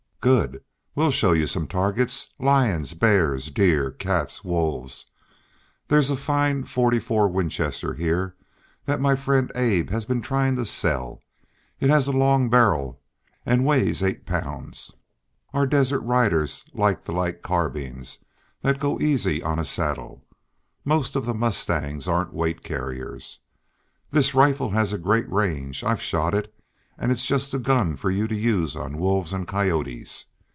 "Good. We'll show you some targets lions, bears, deer, cats, wolves. There's a fine forty four Winchester here that my friend Abe has been trying to sell. It has a long barrel and weighs eight pounds. Our desert riders like the light carbines that go easy on a saddle. Most of the mustangs aren't weight carriers. This rifle has a great range; I've shot it, and it's just the gun for you to use on wolves and coyotes.